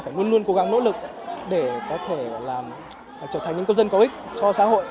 phải luôn luôn cố gắng nỗ lực để có thể trở thành những công dân có ích cho xã hội